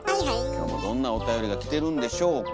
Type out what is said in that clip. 今日もどんなおたよりが来てるんでしょうか。